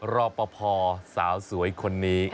รอบประพอสาวสวยคนนี้